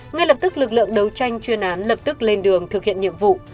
ngay lập tức lực lượng đấu tranh chuyên án lập tức lên đường thực hiện nhiệm vụ